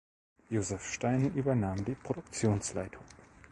Josef Stein übernahm die Produktionsleitung.